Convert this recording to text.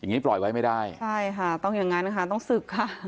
งี้ปล่อยไว้ไม่ได้ใช่ค่ะต้องอย่างนั้นค่ะต้องศึกค่ะ